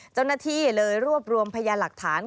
เจ้าหน้าที่เลยรวบรวมพยานหลักฐาน